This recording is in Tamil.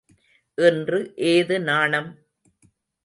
இன்று ஏது நாணம்?